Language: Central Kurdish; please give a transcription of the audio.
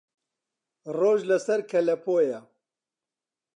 ڕۆژ لە سەر کەلەپۆیە